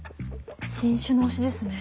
新種の推しですね。